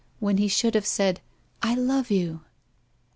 when he should have said, "I love you!"